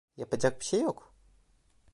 Yapacak bir şey yok.